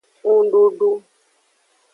Ndudu.